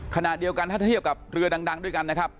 ขณะเดียวกันถ้าเทียบกับเรือดังด้วยกันนะครับ